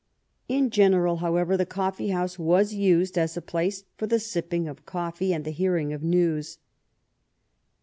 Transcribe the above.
Li general, however, the coffee house was used as a place for the sipping of coffbe and the hearing of news.